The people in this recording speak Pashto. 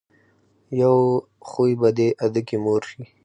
يو خوي به دې ادکې مور شي.